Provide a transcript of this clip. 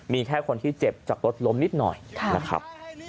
มีแค่คนที่เจ็บจากรถล้มนิดหน่อยนะครับ